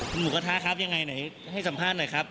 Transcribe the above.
คุณหมูกระทะครับยังไงไหนให้สัมภาษณ์หน่อยครับ